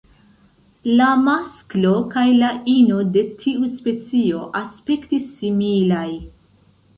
La masklo kaj la ino de tiu specio aspektis similaj.